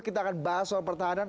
kita akan bahas soal pertahanan